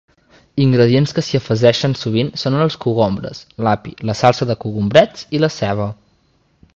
Ingredients que s'hi afegeixen sovint són els cogombres, l'api, la salsa de cogombrets i la ceba.